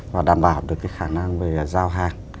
và đảm bảo được cái khả năng về giao hàng